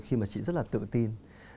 khi mà chị rất là tự tin